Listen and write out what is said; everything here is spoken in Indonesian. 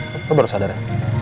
lo baru sadar ya